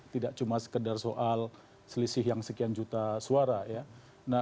tidak cuma sekedar soal selisih yang sekian juta suara ya